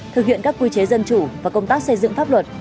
thực hiện các quy chế dân chủ và công tác xây dựng pháp luật